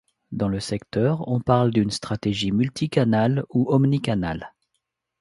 Dans le secteur, on parle d’une stratégie multicanal ou omnicanal.